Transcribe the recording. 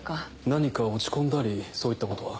何か落ち込んだりそういったことは？